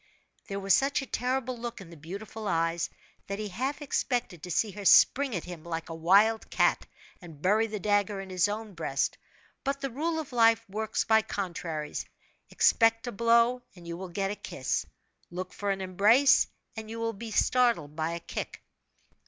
There was such a terrible look in the beautiful eyes, that he half expected to see her spring at him like a wild cat, and bury the dagger in his own breast. But the rule of life works by contraries: expect a blow and you will get a kiss, look for an embrace, and you will be startled by a kick.